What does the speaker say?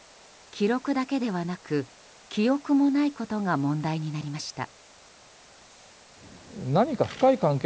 記録だけではなく記憶もないことが問題になりました。